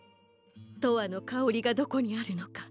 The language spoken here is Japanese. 「とわのかおり」がどこにあるのか